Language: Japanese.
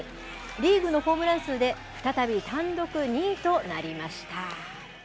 リーグのホームラン数で、再び単独２位となりました。